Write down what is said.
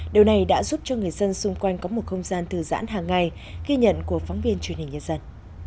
điều này đã giúp cho người dân xung quanh có một không gian thư giãn hàng ngày ghi nhận của phóng viên truyền hình nhân dân